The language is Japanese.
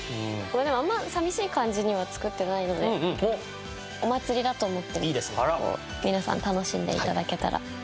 でもあんま寂しい感じには作ってないのでお祭りだと思って皆さん楽しんで頂けたら嬉しいです。